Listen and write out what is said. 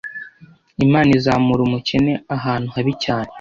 imana izamura umukene ahantu habi cyane